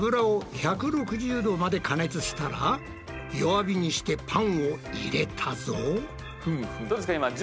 油を１６０℃まで加熱したら弱火にしてパンを入れたぞ。